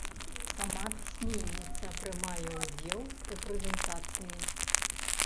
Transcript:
Сама пісьменніца прымае ўдзел у прэзентацыі.